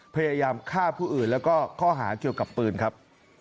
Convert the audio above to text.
พยายามฆ่าผู้อื่นแล้วก็ข้อหาเกี่ยวกับปืนครับ